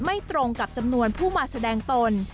ตรงกับจำนวนผู้มาแสดงตน